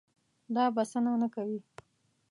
دا بسنه نه کوي.